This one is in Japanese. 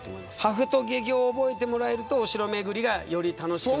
破風と懸魚を覚えてもらえるとお城巡りが、より楽しくなる。